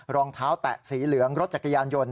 รองเท้าแตะสีเหลืองรถจักรยานยนต